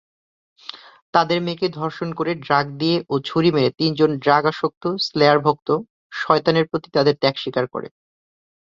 তাদের মেয়েকে ধর্ষণ করে, ড্রাগ দিয়ে ও ছুরি মেরে তিনজন ড্রাগ আসক্ত স্লেয়ার ভক্ত শয়তানের প্রতি তাদের ত্যাগ স্বীকার করে।